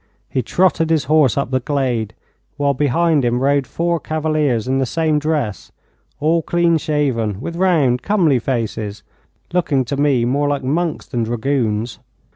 He trotted his horse up the glade, while behind him rode four cavaliers in the same dress all clean shaven, with round, comely faces, looking to me more like monks than dragoons.